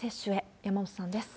山本さんです。